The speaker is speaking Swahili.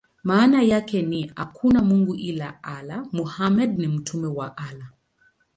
Maana yake ni: "Hakuna mungu ila Allah; Muhammad ni mtume wa Allah".